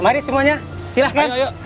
mari semuanya silahkan